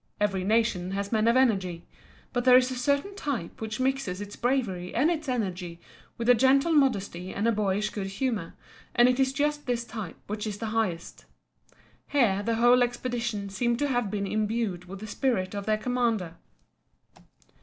Every nation has men of energy. But there is a certain type which mixes its bravery and its energy with a gentle modesty and a boyish good humour, and it is just this type which is the highest. Here the whole expedition seem to have been imbued with the spirit of their commander.